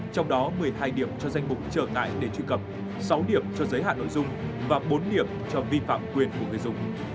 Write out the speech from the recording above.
trong đó một mươi hai điểm cho danh mục trở ngại để truy cập sáu điểm cho giới hạn nội dung và bốn điểm cho vi phạm quyền của người dùng